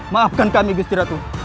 maafkan kami agusti ratu